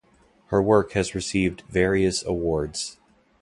Her work has received various awards.